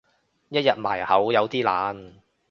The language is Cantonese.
一日埋口有啲難